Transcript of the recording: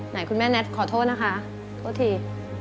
ไหนคุณแม่แท็กขอโทษนะคะโทษที